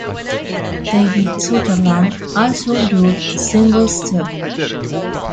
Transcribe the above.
David Sutherland also drew a single strip.